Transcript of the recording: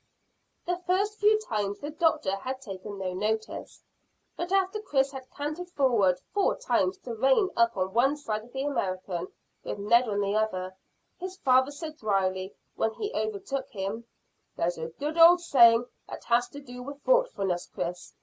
The first few times the doctor had taken no notice, but after Chris had cantered forward four times to rein up on one side of the American, with Ned on the other, his father said dryly when he overtook him "There's a good old saying that has to do with thoughtfulness, Chris.